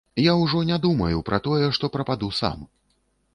Я ўжо не думаю пра тое, што прападу сам.